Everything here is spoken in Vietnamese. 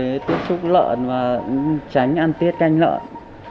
người tuyên trúc lợn và tránh ăn tiết canh lợn